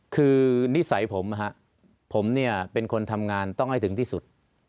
คือนิสัยผมผมเนี่ยเป็นคนทำงานต้องให้ถึงที่สุด